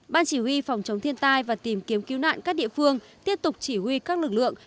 ban chỉ huy phòng chống thiên tai và tìm kiếm cứu nạn các địa phương tiếp tục chỉ huy các lực lượng